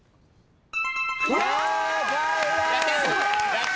やった！